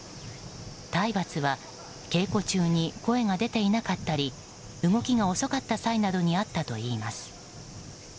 体罰は稽古中に声が出ていなかったり動きが遅かった際などにあったといいます。